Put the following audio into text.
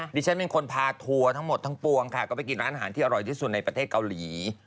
ดิฉันเป็นคนพาทัวร์ทั้งหมดทั้งปวงค่ะก็ไปกินร้านอาหารที่อร่อยที่สุดในประเทศเกาหลี